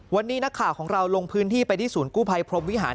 วันนี้นักข่าวของเราลงพื้นที่ไปที่ศูนย์กู้ภัยพรมวิหาร